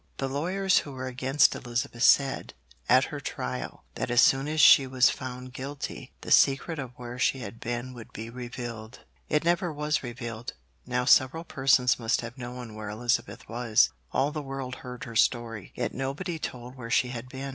The lawyers who were against Elizabeth said, at her trial, that as soon as she was found guilty, the secret of where she had been would be revealed. It never was revealed. Now several persons must have known where Elizabeth was; all the world heard her story, yet nobody told where she had been.